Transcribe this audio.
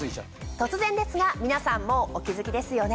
突然ですが皆さんもうお気付きですよね。